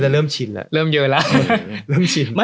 เริ่มชินแล้ว